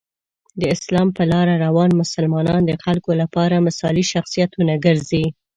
د اسلام په لاره روان مسلمانان د خلکو لپاره مثالي شخصیتونه ګرځي.